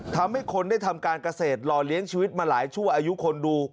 ทำให้คนได้ทำการเกษตรหล่อเลี้ยงชีวิตมาหลายชั่วอายุคนดู